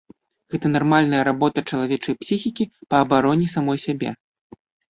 Гэта нармальная работа чалавечай псіхікі па абароне самой сябе.